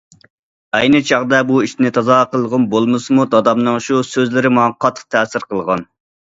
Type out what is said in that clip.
ئەينى چاغدا بۇ ئىشنى تازا قىلغۇم بولمىسىمۇ، دادامنىڭ شۇ سۆزلىرى ماڭا قاتتىق تەسىر قىلغان.